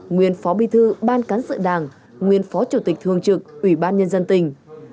nguyên phó bi thư ban cán sự đảng nguyên phó chủ tịch thường trực ủy ban nhân dân tỉnh